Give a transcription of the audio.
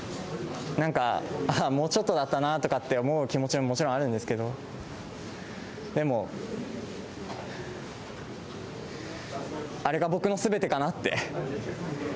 なんか、もうちょっとだったなとかって思う気持ちももちろんあるんですけど、でも、あれが僕のすべてかなって。